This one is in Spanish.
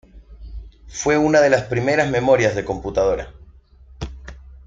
Fue una de las primeras memorias de computadora.